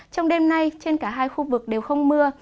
trong đêm nay trên cả hai khu vực đều không mưa